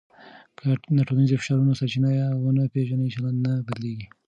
که د ټولنیزو فشارونو سرچینه ونه پېژنې، چلند نه بدلېږي.